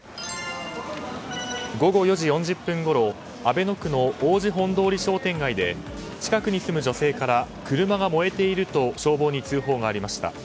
午後４時４０分ごろ阿倍野区の王子本通商店街で近くに住む女性から車が燃えていると消防に通報がありました。